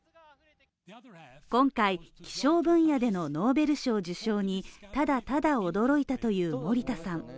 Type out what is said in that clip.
今回、気象分野でのノーベル賞受賞にただただ驚いたという森田さん。